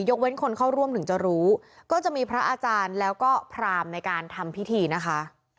เว้นคนเข้าร่วมถึงจะรู้ก็จะมีพระอาจารย์แล้วก็พรามในการทำพิธีนะคะ